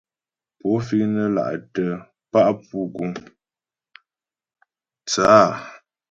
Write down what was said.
Pó fíŋ nə́ là'tə̀ pá' pú gʉ́m tsə́ a ?